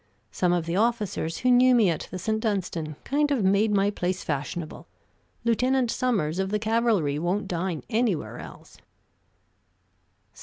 Some of the officers who knew me at the St. Dunstan kind of made my place fashionable. Lieutenant Sommers, of the cavalry, won't dine anywhere else."